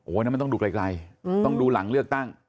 มันต้องดูไกลต้องดูหลังเลือกตั้ง